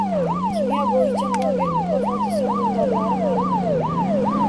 Kimyo bo‘yicha Nobel mukofoti sovrindorlari ma’lum qilindi